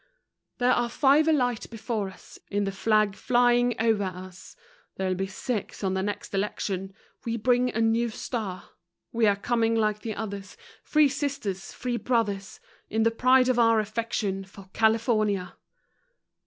There are five a light before us, In the flag flying o'er us, There'll be six on next election We bring a new star! We are coming like the others, Free Sisters, Free Brothers, In the pride of our affection For California.